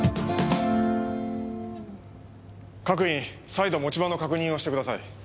各員再度持ち場の確認をしてください。